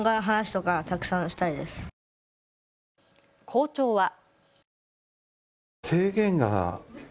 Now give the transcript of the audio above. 校長は。